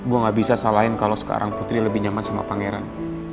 gue gak bisa salahin kalau sekarang putri lebih nyaman sama pangeran